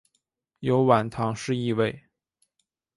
有晚唐诗意味。